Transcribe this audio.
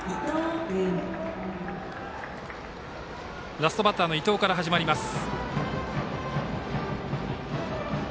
ラストバッターの伊藤から始まります。